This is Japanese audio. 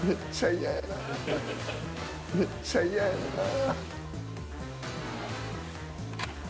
めっちゃ嫌やなぁ。